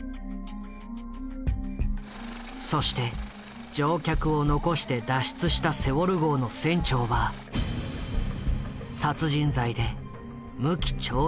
そして乗客を残して脱出したセウォル号の船長は殺人罪で無期懲役が下された。